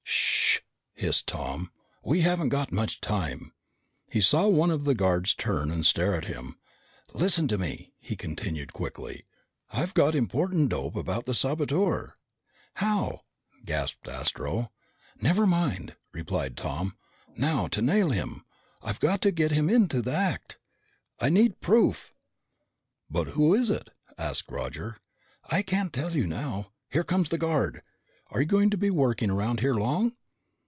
"Sh!" hissed Tom. "We haven't got much time." He saw one of the guards turn and stare at him. "Listen to me," he continued quickly. "I've got important dope about the saboteur!" "How?" gasped Astro. "Never mind," replied Tom. "Now, to nail him, I've got to get him into the act! I need proof!" "But who is it?" asked Roger. "I can't tell you now. Here comes the guard. Are you going to be working around here long?"